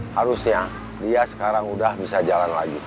harusnya dia sekarang udah bisa jalan lagi